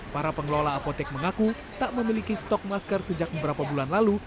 para pengelola apotek mengaku tak memiliki stok masker sejak beberapa bulan lalu